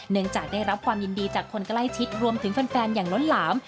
จากได้รับความยินดีจากคนใกล้ชิดรวมถึงแฟนอย่างล้นหลาม